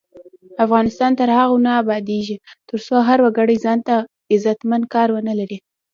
افغانستان تر هغو نه ابادیږي، ترڅو هر وګړی ځانته عزتمن کار ونه لري.